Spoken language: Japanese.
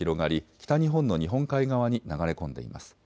北日本の日本海側に流れ込んでいます。